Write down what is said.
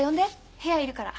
部屋いるから。